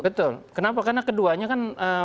betul kenapa karena keduanya kan